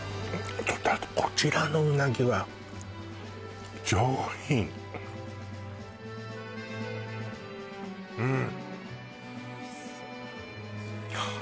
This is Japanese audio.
ちょっとあとこちらのうなぎは上品うん